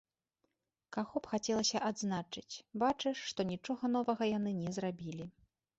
Каго б хацелася адзначыць, бачыш, што нічога новага яны не зрабілі.